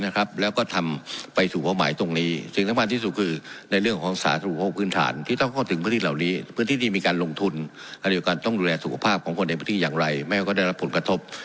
การโดยการต้องดูแลสุขภาพของคนในพื้นที่อย่างไรไม่ว่าก็ได้รับผลกระทบ